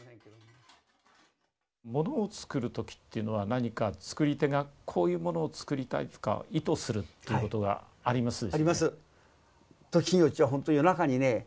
ものを作る時っていうのは何か作り手がこういうものを作りたいとか意図するっていうことがありますでしょうね。